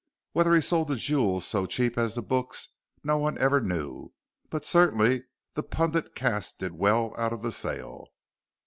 Whether he sold the jewels so cheap as the books no one ever knew; but certainly the pundit caste did well out of the sale.